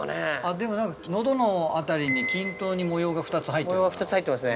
でも何か喉の辺りに均等に模様が２つ入ってるな。